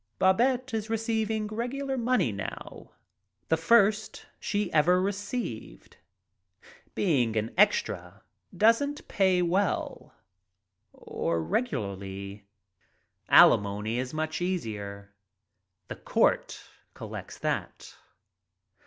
Babette is receiving regular money now, the first she ever received. Being an "extra" doesn't pay well, or regularly. Alimony is much easier. The court collects that.